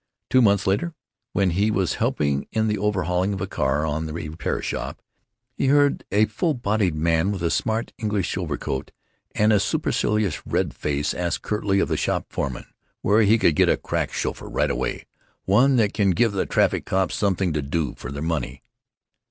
Two months later, when he was helping in the overhauling of a car in the repair shop, he heard a full bodied man with a smart English overcoat and a supercilious red face ask curtly of the shop foreman where he could get a "crack shuffer, right away, one that can give the traffic cops something to do for their money."